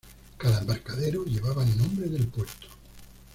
Cada embarcadero llevaba el nombre del puerto.